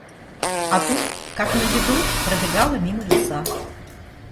А тут, как на беду, пробегала мимо лиса.